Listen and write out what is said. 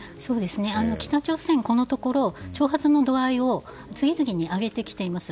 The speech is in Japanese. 北朝鮮はこのところ挑発の度合いを次々に上げてきています。